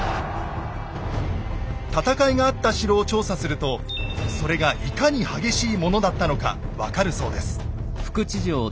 戦いがあった城を調査するとそれがいかに激しいものだったのか分かるそうです。